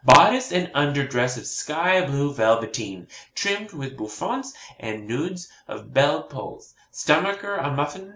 Bodice and underdress of sky blue velveteen, trimmed with bouffants and noeuds of bell pulls. Stomacher a muffin.